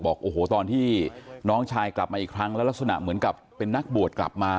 บอกโอ้โหตอนที่น้องชายกลับมาอีกครั้งแล้วลักษณะเหมือนกับเป็นนักบวชกลับมา